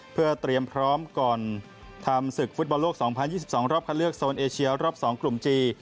เพื่อเตรียมพร้อมก่อนทำศึกฟุตบอลโลกสองพันยี่สิบสองรอบคันเลือกโซนเอเชียร์รอบสองกลุ่มจี